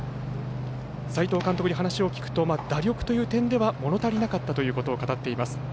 斎藤監督に話を聞くと打力という点では物足りなかったということを語っています。